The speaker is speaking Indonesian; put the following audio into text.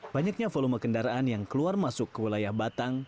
banyaknya volume kendaraan yang keluar masuk ke wilayah batang